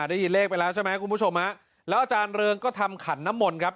ได้ยินเลขไปแล้วใช่ไหมคุณผู้ชมฮะแล้วอาจารย์เริงก็ทำขันน้ำมนต์ครับ